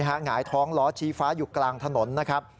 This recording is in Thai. หงายท้องล้อชี้ฟ้าอยู่กลางถนนนะครับ